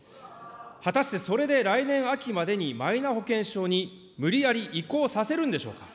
果たしてそれで来年秋までにマイナ保険証に無理やり移行させるんでしょうか。